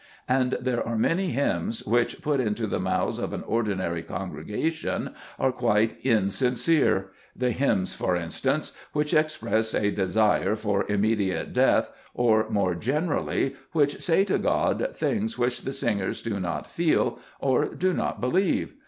And there are many hymns which, put into the mouths of an ordinary congregation, are quite insincere, — the hymns, for example, which express a desire for immediate death, or, more Gbe Meet Cburcb Ibymne. generally, which say to God things which the singers do not feel or do not believe.